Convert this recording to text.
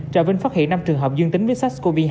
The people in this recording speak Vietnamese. trà vinh phát hiện năm trường hợp dương tính với sars cov hai